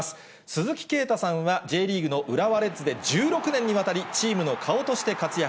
鈴木啓太さんはＪリーグの浦和レッズで１６年にわたり、チームの顔として活躍。